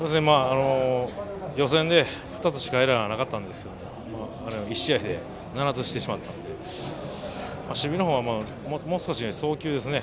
予選で、２つしかエラーがなかったんですけど１試合で７つしてしまったので守備のほうはもう少し送球ですね。